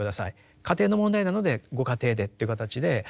家庭の問題なのでご家庭でっていう形でかつてはですね